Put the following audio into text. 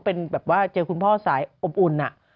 เป็นแบบว่าเจอคุณพ่อสายอบอุ่น